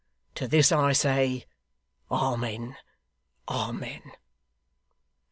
To this I say, Amen, amen!